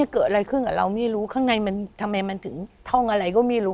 เกิดอะไรขึ้นกับเราไม่รู้ข้างในมันทำไมมันถึงท่องอะไรก็ไม่รู้